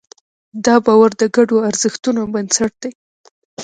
دا باور د ګډو ارزښتونو بنسټ دی.